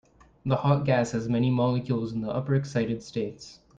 The hot gas has many molecules in the upper excited states.